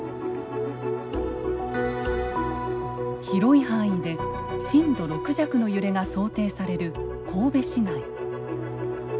広い範囲で震度６弱の揺れが想定される神戸市内。